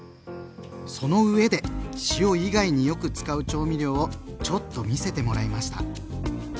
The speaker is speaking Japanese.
そのうえで塩以外によく使う調味料をちょっと見せてもらいました。